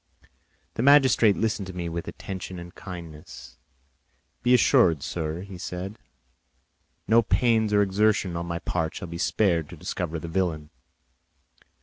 The magistrate listened to me with attention and kindness. "Be assured, sir," said he, "no pains or exertions on my part shall be spared to discover the villain."